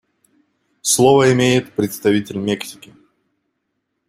Слово имеет представитель Мексики.